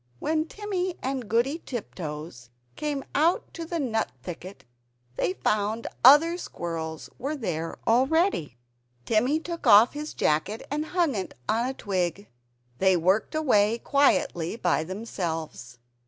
When Timmy and Goody Tiptoes came to the nut thicket, they found other squirrels were there already. Timmy took off his jacket and hung it on a twig; they worked away quietly by themselves.